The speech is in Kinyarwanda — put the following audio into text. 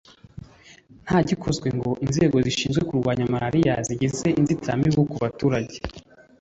Nta gikozwe ngo inzego zishinzwe kurwanya malariya zigeze inzitirmubu ku baturage